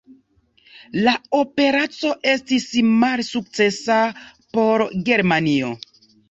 La operaco estis malsukcesa por Germanio.